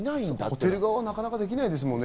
ホテル側はなかなかできないですもんね。